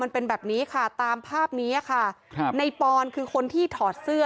เป็นแบบนี้ค่ะตามภาพนี้ค่ะครับในปอนคือคนที่ถอดเสื้อ